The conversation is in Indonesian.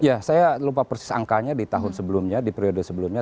ya saya lupa persis angkanya di tahun sebelumnya di periode sebelumnya